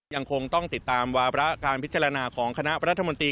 ยังคงต้องติดตามวาระการพิจารณาของคณะรัฐมนตรี